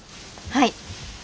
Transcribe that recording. はい。